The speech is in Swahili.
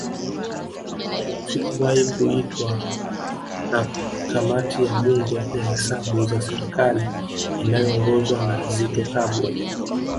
Sikuwahi kuitwa na Kamati ya Bunge ya Hesabu za serikali inayoongozwa na Zitto Kabwe